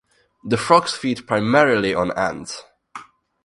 The frogs feed primarily on ants.